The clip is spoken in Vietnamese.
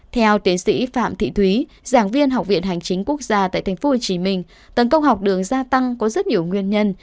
theo tiến sĩ phạm thị thúy giảng viên học viện hành chính quốc gia tại tp hcm tấn công học đường gia tăng có rất nhiều nguyên nhân